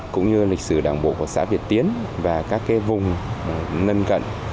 cũng như lịch sử đảng bộ của xã việt tiến và các vùng gần gần